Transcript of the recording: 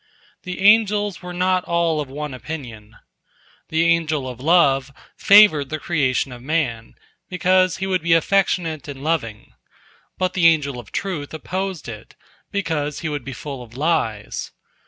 The angels were not all of one opinion. The Angel of Love favored the creation of man, because he would be affectionate and loving; but the Angel of Truth opposed it, because he would be full of lies.